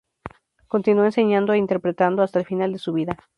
Continuó enseñando e interpretando hasta el final de su vida.